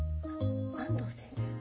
安藤先生は？